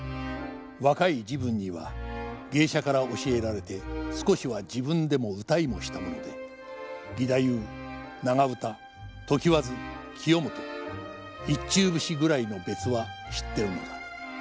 若い時分には芸者から教えられて少しは自分でも唄いもしたもので義太夫・長唄・常磐津清元・一中節ぐらいの別は知っているのだ。